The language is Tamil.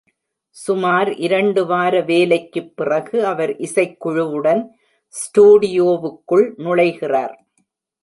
சுமார் இரண்டு வார வேலைக்குப் பிறகு, அவர் இசைக்குழுவுடன் ஸ்டுடியோவுக்குள் நுழைகிறார்.